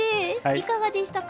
いかがでしたか？